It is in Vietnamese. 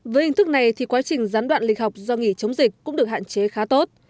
với hình thức này thì quá trình gián đoạn lịch học do nghỉ chống dịch cũng được hạn chế khá tốt